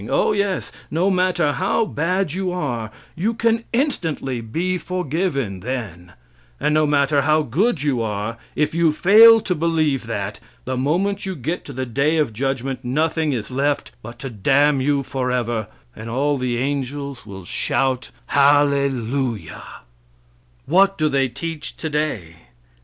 Oh, yes, no matter how bad you are, you can instantly be forgiven then; and no matter how good you are, if you fail to believe that, the moment you get to the day of judgment nothing is left but to damn you forever, and all the angels will shout "Hallelujah!" What do they teach today?